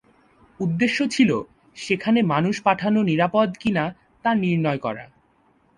উদ্দেশ্য ছিল, সেখানে মানুষ পাঠানো নিরাপদ কি-না তা নির্ণয় করা।